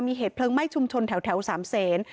มีเหตุเพลิงไหม้ชุมชนแถวสามเศษ